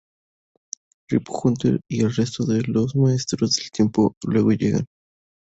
Rip Hunter y el resto de los maestros del tiempo luego llegan.